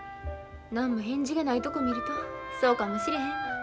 何も返事がないとこ見るとそうかもしれへんわ。